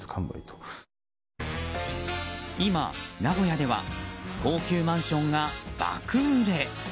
今、名古屋では高級マンションが爆売れ。